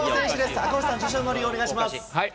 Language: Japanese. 赤星さん、受賞の理由お願いします。